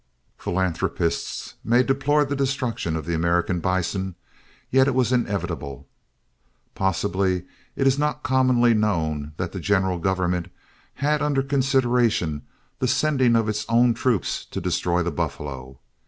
Philanthropists may deplore the destruction of the American bison, yet it was inevitable. Possibly it is not commonly known that the general government had under consideration the sending of its own troops to destroy the buffalo.